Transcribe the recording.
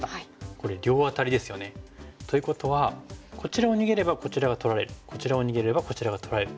これ両アタリですよね。ということはこちらを逃げればこちらが取られこちらを逃げればこちらが取られる。